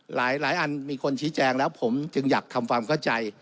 หลายอันมีคนชี้แจงแล้วผมจึงอยากทำความเข้าใจ